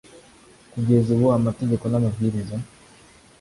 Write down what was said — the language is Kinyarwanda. kugeza ubu amategeko n amabwiriza